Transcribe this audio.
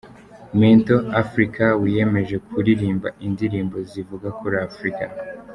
Mento Africa wiyemeje kuririmba indirimbo zivuga kuri Afrika.